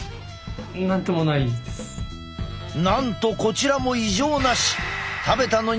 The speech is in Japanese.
なんとこちらも異常なし！